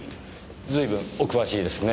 随分お詳しいですね。